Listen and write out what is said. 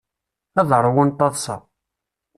Ad ṛwun taḍṣa.